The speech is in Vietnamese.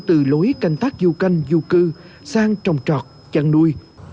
từ lối canh tác du canh du cư sang trồng trọt chăn nuôi